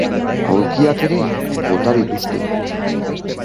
Aulkiak ere bota dituzte.